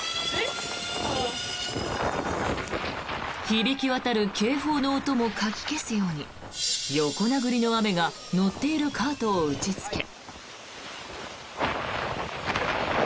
響き渡る警報の音もかき消すように横殴りの雨が乗っているカートを打ちつけ。